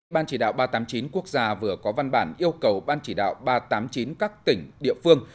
ban chỉ đạo ba trăm tám mươi chín quốc gia vừa có văn bản yêu cầu ban chỉ đạo ba trăm tám mươi chín các tỉnh địa phương